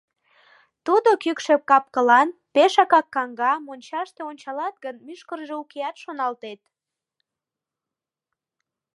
Тудо кӱкшӧ кап-кылан, пешакак каҥга, мончаште ончалат гын, мӱшкыржӧ укеат, шоналтет.